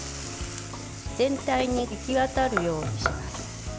全体に行き渡るようにします。